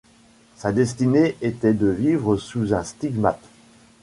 Sa destinée était de vivre sous un stigmate.